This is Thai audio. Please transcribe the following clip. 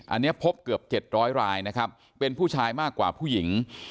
อันนี้พบเกือบ๗๐๐รายนะครับเป็นผู้ชายมากกว่าผู้หญิง